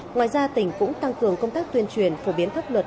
ngoài ra tỉnh cũng tăng cường công tác tuyên truyền phổ biến pháp luật